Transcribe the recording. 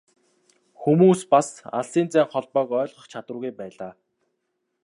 Хүмүүс бас алсын зайн холбоог ойлгох чадваргүй байлаа.